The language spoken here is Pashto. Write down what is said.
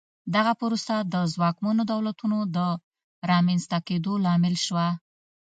دغه پروسه د ځواکمنو دولتونو د رامنځته کېدو لامل شوه.